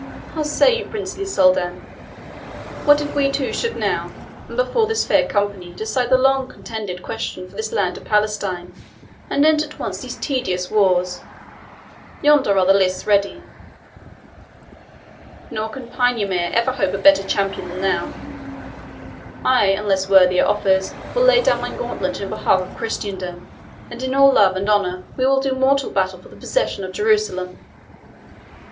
How say you, princely Soldan? What if we two should now, and before this fair company, decide the long contended question for this land of Palestine, and end at once these tedious wars? Yonder are the lists ready, nor can Paynimrie ever hope a better champion than thou. I, unless worthier offers, will lay down my gauntlet in behalf of Christendom, and in all love and honour we will do mortal battle for the possession of Jerusalem."